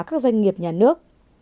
các doanh nghiệp nhà nước